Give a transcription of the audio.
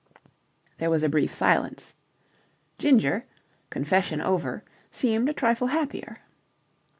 There was a brief silence. Ginger, confession over, seemed a trifle happier.